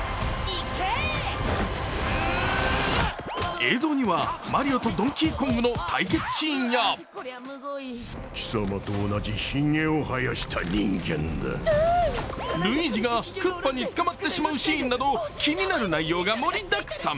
映像にはマリオとドンキーコングの対決シーンやルイージがクッパに捕まってしまうシーンなど気になる内容が盛りだくさん。